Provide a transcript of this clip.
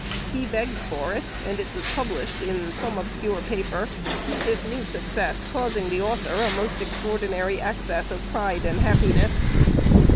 "He begged for it," and it was published in some obscure paper; this new success causing the author a most extraordinary access of pride and happiness.